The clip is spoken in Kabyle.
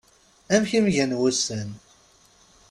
Amek i m-gan wussan?